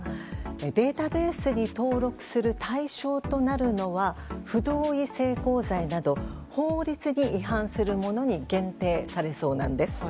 データベースに登録する対象となるのは不同意性交罪など法律に違反するものに限定されそうなんです。